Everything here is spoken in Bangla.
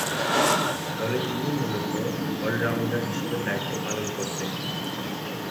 দলে তিনি মূলতঃ অল-রাউন্ডার হিসেবে দায়িত্ব পালন করতেন।